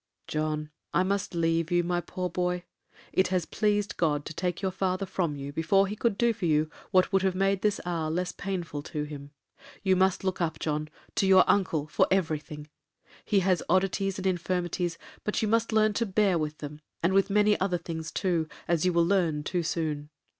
'John, I must leave you, my poor boy; it has pleased God to take your father from you before he could do for you what would have made this hour less painful to him. You must look up, John, to your uncle for every thing. He has oddities and infirmities, but you must learn to bear with them, and with many other things too, as you will learn too soon.